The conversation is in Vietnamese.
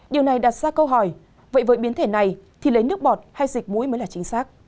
điều này đặt ra câu hỏi vậy với biến thể này thì lấy nước bọt hay dịch mũi mới là chính xác